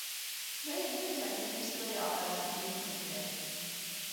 D ayen yelhan imi i mmeslayeɣ d Ɛezdin n Tezmalt.